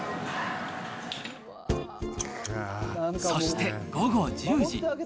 そして午後１０時。